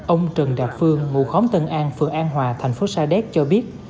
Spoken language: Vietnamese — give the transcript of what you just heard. ông trần đạt phương ngụ khóm tân an phường an hòa thành phố sa đét cho biết